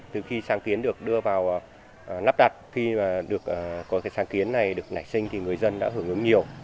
từ khi sáng kiến được đưa vào nắp đặt khi được có sáng kiến này được nảy sinh thì người dân đã hưởng ứng nhiều